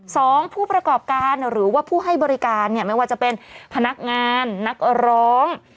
สองผู้ประกอบการหรือว่าผู้ให้บริการเนี่ยไม่ว่าจะเป็นพนักงานนักร้อง